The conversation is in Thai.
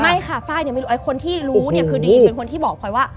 ไม่ค่ะฟ้ายเนี่ยไม่รู้คนที่รู้เนี่ยคือดีอินเป็นคนที่บอกค่อยว่า